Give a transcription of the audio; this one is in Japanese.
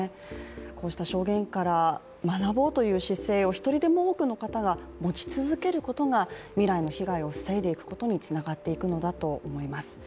こうした証言から学ぼうという姿勢を１人でも多くの方が持ち続けることが未来の被害を防いでいくことにつながっていくのだと思います。